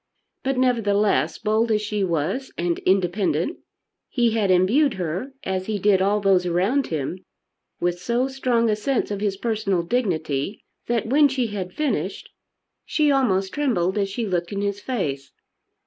But, nevertheless, bold as she was and independent, he had imbued her, as he did all those around him, with so strong a sense of his personal dignity, that when she had finished she almost trembled as she looked in his face.